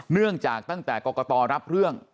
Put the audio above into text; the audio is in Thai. เนื่องจากตั้งแต่กรกตรับเรื่อง